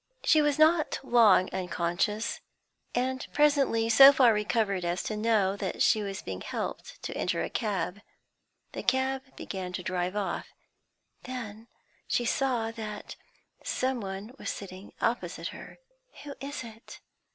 She was not long unconscious, and presently so far recovered as to know that she was being helped to enter a cab. The cab began to drive off. Then she saw that some one was sitting opposite her. "Who is it?"